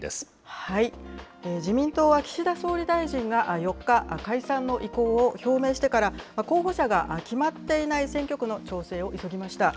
自民党は岸田総理大臣が４日、解散の意向を表明してから、候補者が決まっていない選挙区の調整を急ぎました。